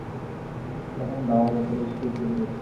তখন দাওয়ার উপরে ইস্কুল চলিতেছে।